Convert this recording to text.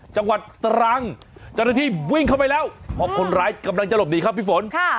จังหวัดตรังเจ้าหน้าที่วิ่งเข้าไปแล้วเพราะคนร้ายกำลังจะหลบหนีครับพี่ฝน